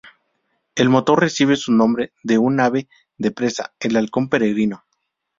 El motor recibe su nombre de un ave de presa: el halcón peregrino.